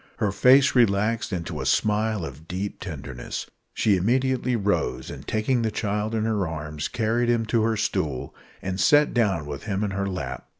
Her face relaxed into a smile of deep tenderness. She immediately rose, and taking the child in her arms carried him to her stool, and sat down with him in her lap.